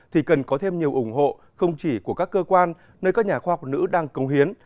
thì cần có thêm nhiều ủng hộ không chỉ của các cơ quan nơi các nhà khoa học nữ đang công hiến